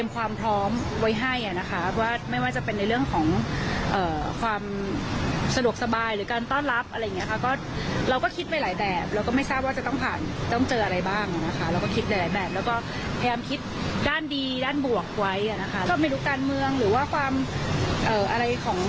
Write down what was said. คุณพ่อกลับมาก็อาจจะต้องเป็นเรื่องสำคัญ